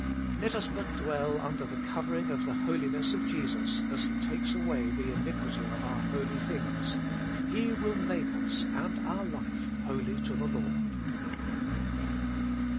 Let us but dwell under the covering of the Holiness of Jesus, as He takes away the iniquity of our holy HOLINESS AND MEDIATION. 87 things, He will make us and our life holy to the Lord.